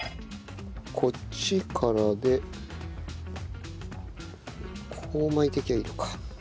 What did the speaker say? こっちからでこう巻いてきゃいいのか。